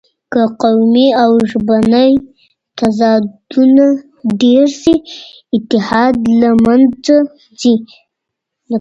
که قومي او ژبني تضادونه ډېر شي، اتحاد له منځه ځي.